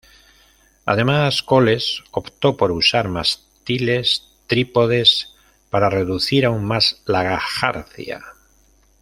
Además, Coles opto por usar mástiles trípodes para reducir aún más la jarcia.